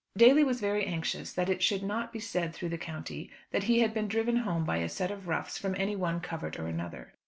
Daly was very anxious that it should not be said through the country that he had been driven home by a set of roughs from any one covert or another.